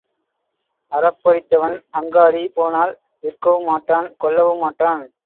அறப்படித்தவன் அங்காடி போனால், விற்கவும் மாட்டான் கொள்ளவும் மாட்டான்.